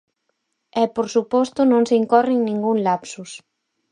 E, por suposto, non se incorre en ningún lapsus.